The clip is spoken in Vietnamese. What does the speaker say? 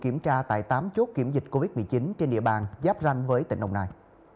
kiểm tra tại tám chốt kiểm dịch covid một mươi chín trên địa bàn giáp ranh với tỉnh đồng nai